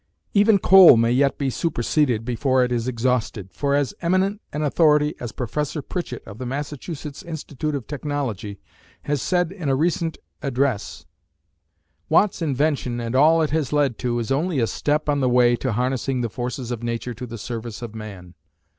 Even coal may yet be superseded before it is exhausted, for as eminent an authority as Professor Pritchett of the Massachusetts Institute of Technology has said in a recent address: Watt's invention and all it has led to is only a step on the way to harnessing the forces of nature to the service of man.